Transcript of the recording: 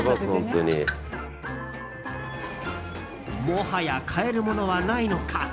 もはや買えるものはないのか。